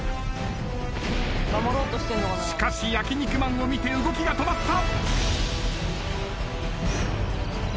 しかし焼肉マンを見て動きが止まった。